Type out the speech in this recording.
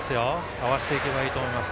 合わせていけばいいと思います